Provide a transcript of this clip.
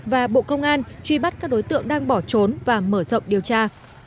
và bộ công an truy bắt các đối tượng đang bỏ trốn và mở rộng điều tra